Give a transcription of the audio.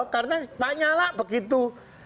karena pak nyalak begitu